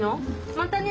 またね